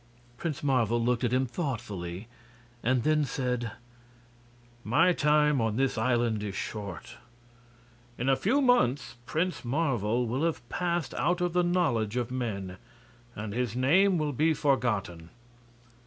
Prince Marvel looked at him thoughtfully, and then said: "My time on this island is short. In a few months Prince Marvel will have passed out of the knowledge of men, and his name will be forgotten.